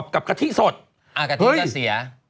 กะทิกระเสีย